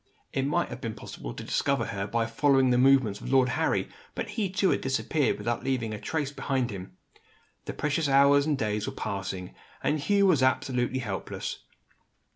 It might have been possible to discover her by following the movements of Lord Harry, but he too had disappeared without leaving a trace behind him. The precious hours and days were passing and Hugh was absolutely helpless.